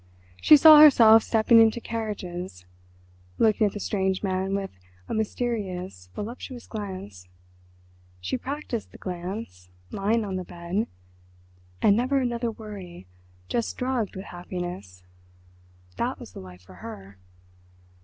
She saw herself stepping into carriages—looking at the strange man with a mysterious, voluptuous glance—she practised the glance, lying on the bed—and never another worry, just drugged with happiness. That was the life for her.